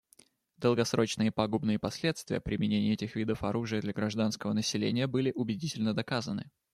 Долгосрочные пагубные последствия применения этих видов оружия для гражданского населения были убедительно доказаны.